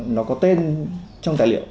nó có tên trong tài liệu